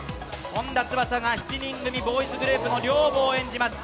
本田翼が７人組ボーイズグループの寮母を演じます。